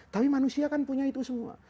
tapi manusia kan punya itu semua